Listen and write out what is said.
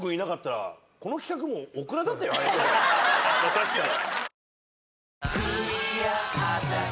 確かに。